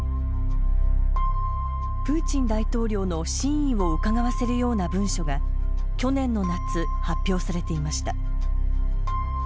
プーチン大統領の真意をうかがわせるような文書が去年の夏、発表されていました。